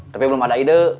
tapi belum ada ide